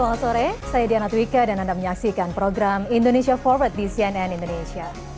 selamat sore saya diana twika dan anda menyaksikan program indonesia forward di cnn indonesia